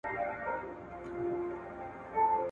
چي هر څو یې مخ پر لوړه کړه زورونه ,